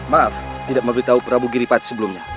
maaf tidak memberitahu prabu giripat sebelumnya